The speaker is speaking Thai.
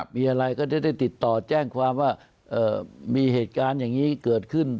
มีอะไรก็จะได้ติดต่อแจ้งความว่ามีเหตุการณ์อย่างนี้เกิดขึ้น